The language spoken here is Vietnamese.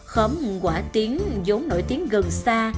khóm quả tiến giống nổi tiếng gần xa